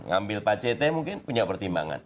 mengambil pak cethe mungkin punya pertimbangan